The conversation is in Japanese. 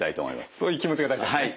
そういう気持ちが大事ですね。